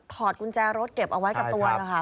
อดกุญแจรถเก็บเอาไว้กับตัวนะคะ